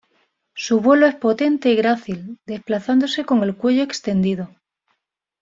Su vuelo es potente y grácil, desplazándose con el cuello extendido.